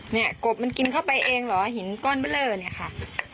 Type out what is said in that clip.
เนี่ยกบมันกินเข้าไปเองเหรอหินก้อนไปเลยเนี่ยค่ะ